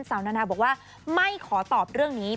นานาบอกว่าไม่ขอตอบเรื่องนี้